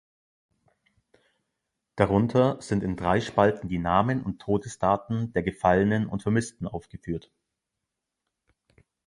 Darunter sind in drei Spalten die Namen und Todesdaten der Gefallenen und Vermissten aufgeführt.